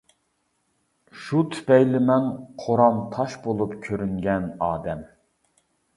شۇ تۈپەيلى مەن قورام تاش بولۇپ كۆرۈنگەن ئادەم.